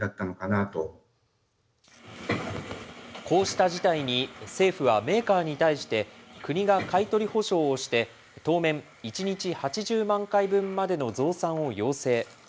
こうした事態に政府はメーカーに対して、国が買い取り保証をして、当面１日８０万回分までの増産を要請。